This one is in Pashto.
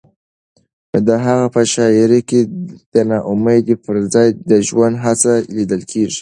د هغه په شاعرۍ کې د ناامیدۍ پر ځای د ژوند هڅه لیدل کېږي.